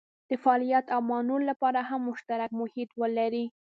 د فعالیت او مانور لپاره هم مشترک محیط ولري.